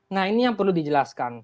nah ini yang perlu dijelaskan